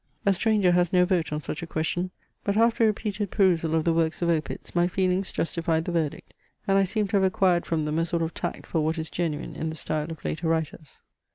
A stranger has no vote on such a question; but after repeated perusal of the works of Opitz my feelings justified the verdict, and I seemed to have acquired from them a sort of tact for what is genuine in the style of later writers.